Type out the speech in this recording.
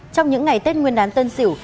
trong những ngày tết nguyên đán tân sỉu